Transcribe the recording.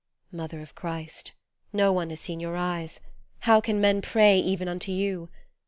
18 Mother of Christ, no one has seen your eyes : how can men pray Even unto you